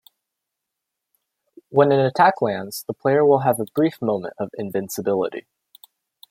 When an attack lands, the player will have a brief moment of invincibility.